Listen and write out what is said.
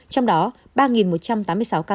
trong đó ba một trăm tám mươi sáu ca